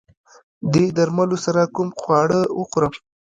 دې درملو سره کوم خواړه وخورم؟